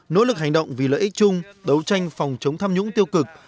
nỗ lực hành động vì lợi ích chung đấu tranh phòng chống tham nhũng tiêu cực